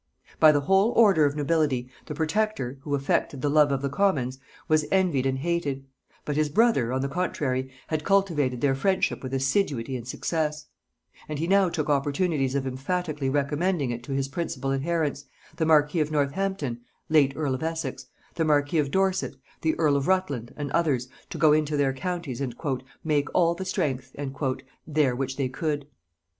By the whole order of nobility the protector, who affected the love of the commons, was envied and hated; but his brother, on the contrary, had cultivated their friendship with assiduity and success; and he now took opportunities of emphatically recommending it to his principal adherents, the marquis of Northampton (late earl of Essex), the marquis of Dorset, the earl of Rutland, and others, to go into their counties and "make all the strength" there which they could.